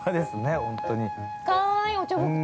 かわいい、おちょぼ口。